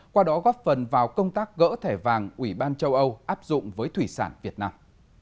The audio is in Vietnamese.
qua đó góp phần vào công tác gỡ thẻ vàng ủy ban châu âu áp dụng với thủy sản việt nam